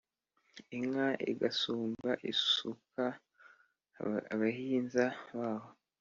inka igasumba isuka abahinza baho